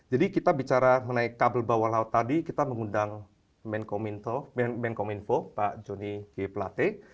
jadi kita bicara mengenai kabel bawah laut tadi kita mengundang menkominfo pak jonny g pelate